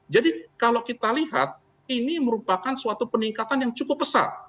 jadi kalau kita lihat ini merupakan suatu peningkatan yang cukup besar